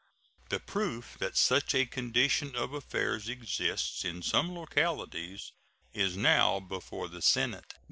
The proof that such a condition of affairs exists in some localities is now before the Senate.